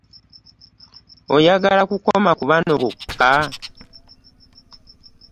Oyagala kukoma ku bano bokka?